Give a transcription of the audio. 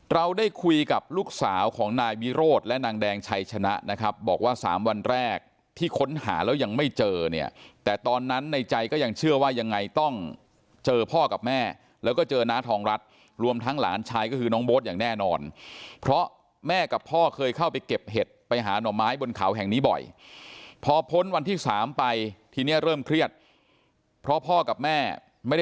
เราได้คุยกับลูกสาวของนายวิโรธและนางแดงชัยชนะนะครับบอกว่าสามวันแรกที่ค้นหาแล้วยังไม่เจอเนี่ยแต่ตอนนั้นในใจก็ยังเชื่อว่ายังไงต้องเจอพ่อกับแม่แล้วก็เจอน้าทองรัฐรวมทั้งหลานชายก็คือน้องโบ๊ทอย่างแน่นอนเพราะแม่กับพ่อเคยเข้าไปเก็บเห็ดไปหาหน่อไม้บนเขาแห่งนี้บ่อยพอพ้นวันที่สามไปทีเนี้ยเริ่มเครียดเพราะพ่อกับแม่ไม่ได้